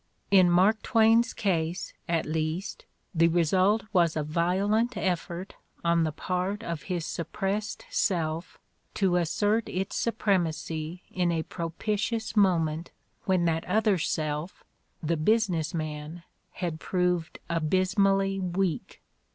In Mark Twain's case, at least, the result was a violent effort on the part of his suppressed self to assert its supremacy in a propitious moment when that other self, the business man, had proved abysmally weak.